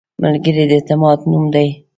ملګری د اعتماد نوم دی